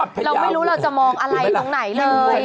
เราไม่รู้เราจะมองอะไรตรงไหนเลย